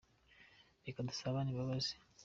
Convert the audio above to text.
reka dusabane imbabazi.